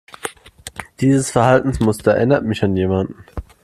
Dieses Verhaltensmuster erinnert mich an jemanden.